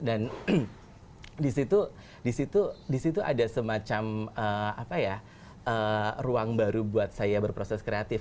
dan disitu ada semacam ruang baru buat saya berproses kreatif